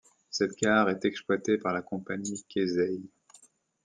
Cette gare est exploitée par la compagnie Keisei.